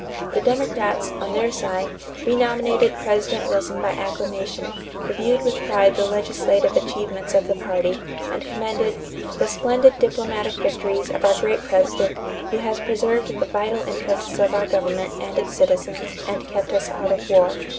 The Democrats, on their side, renominated President Wilson by acclamation, reviewed with pride the legislative achievements of the party, and commended "the splendid diplomatic victories of our great President who has preserved the vital interests of our government and its citizens and kept us out of war."